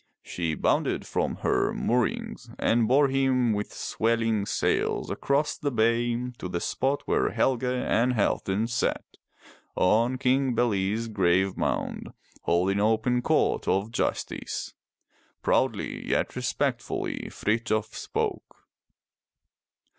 She bounded from her moorings, and bore him 342 FROM THE TOWER WINDOW with swelling sails across the bay to the spot where Helge and Halfdan sat, on King Bele's grave mound, holding open court of justice. Proudly, yet respectfully, Frithjof spoke.